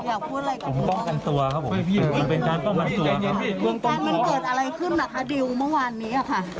อันนี้กลัวว่ากำเข้าบ้านดีกว่าอะไร